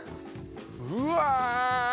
うわ！